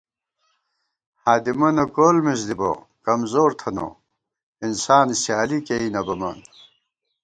ہادِمَنہ کول مِز دِبہ، کمزور تھنہ، انسان سیالی کېئ نہ بَمان